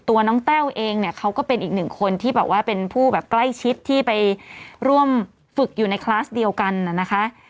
ตัวน้องแต้วเองเนี่ยเขาก็เป็นอีกหนึ่งคนที่แบบว่าเป็นผู้แบบใกล้ชิดที่ไปร่วมฝึกอยู่ในคลาสเดียวกันนะคะ